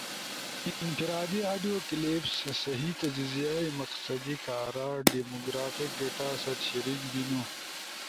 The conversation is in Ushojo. انفرادی آڈیو کلپس صحیح تجزیہ ئی مقصدی کارا ڈیمو گرافک ڈیٹا ست شریک بینو۔